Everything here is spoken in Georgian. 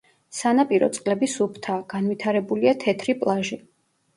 სანაპირო წყლები სუფთაა, განვითარებულია თეთრი პლაჟი.